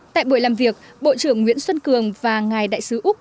tại buổi làm việc bộ trưởng nguyễn xuân cường và ngài đại sứ úc